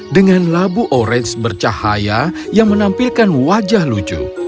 dengan labu orange bercahaya yang menampilkan wajah lucu